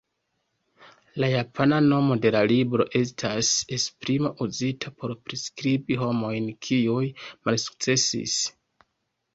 La japana nomo de la libro estas esprimo uzita por priskribi homojn kiuj malsukcesis.